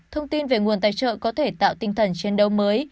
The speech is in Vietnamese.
thông tin về nguồn tài trợ có thể tạo tinh thần chiến đấu mới